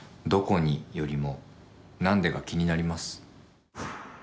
「どこに」よりも「何で」が気になります。